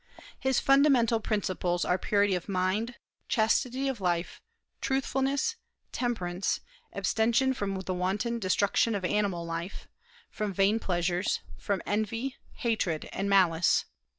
His fundamental principles are purity of mind, chastity of life, truthfulness, temperance, abstention from the wanton destruction of animal life, from vain pleasures, from envy, hatred, and malice.